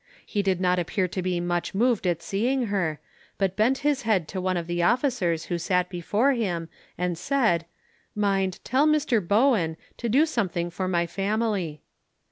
He did not appear to be much moved at seeing her, but bent his head to one of the officers who sat before him, and said, "Mind, tell Mr Bowen to do something for my family."